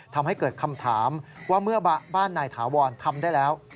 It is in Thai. ทำให้เกิดคำถามว่าเมื่อบ้านนายถาวรทำได้แล้ว